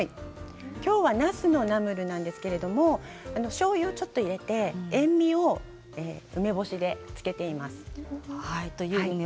きょうはなすのナムルなんですけどしょうゆをちょっと入れて塩みを梅干しでつけています。